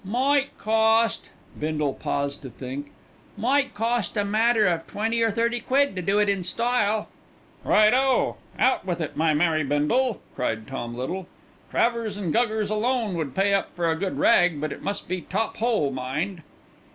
"Might cost" Bindle paused to think "might cost a matter of twenty or thirty quid to do it in style." "Right oh! Out with it, my merry Bindle," cried Tom Little. "Travers and Guggers alone would pay up for a good rag, but it must be top hole, mind."